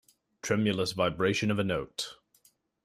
Tremulous vibration of a note.